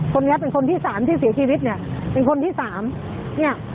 คนนี้เป็นคนที่สามที่เสียชีวิตเนี่ยเป็นคนที่สามเนี่ย